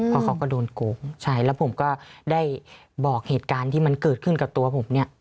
เพราะเขาก็โดนโกงใช่แล้วผมก็ได้บอกเหตุการณ์ที่มันเกิดขึ้นกับตัวผมเนี่ย